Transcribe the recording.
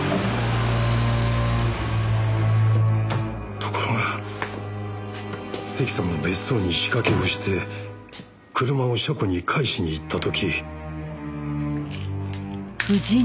ところが関さんの別荘に仕掛けをして車を車庫に返しに行った時。